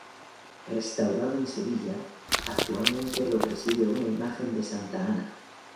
Restaurado en Sevilla, actualmente lo preside una imagen de Santa Ana.